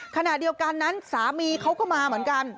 ขณะเดียวกันนั้นสามีเขาก็มาเหมือนกัน